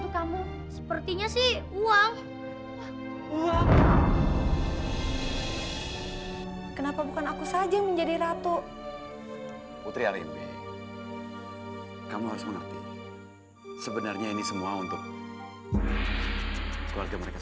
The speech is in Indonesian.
sekarang kamu harus mendapatkan hukuman yang setimpa